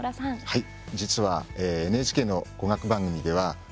はい。